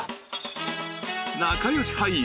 ［仲良し俳優